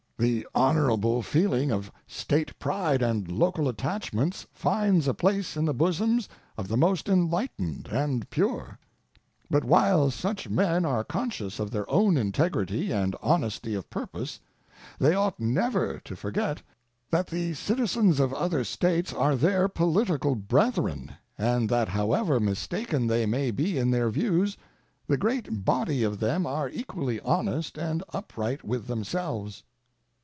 The honorable feeling of State pride and local attachments finds a place in the bosoms of the most enlightened and pure. But while such men are conscious of their own integrity and honesty of purpose, they ought never to forget that the citizens of other States are their political brethren, and that however mistaken they may be in their views, the great body of them are equally honest and upright with themselves.